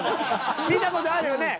見た事あるよね？